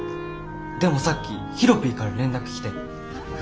でもさっきヒロピーから連絡来て。